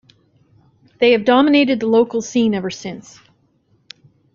They have dominated the local scene ever since.